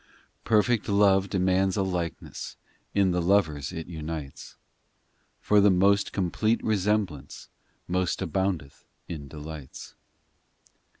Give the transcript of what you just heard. v Perfect love demands a likeness In the lovers it unites, For the most complete resemblance Most aboundeth in delights.